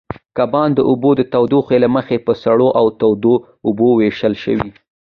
کبان د اوبو تودوخې له مخې په سړو او تودو اوبو وېشل شوي.